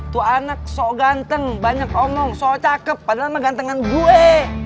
tuh anak sok ganteng banyak omong sok cakep padahal sama gantengan gue